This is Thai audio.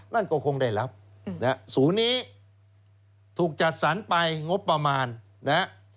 นั่นก็คงได้รับศูนนี้ถูกจัดสรรไปงบประมาณ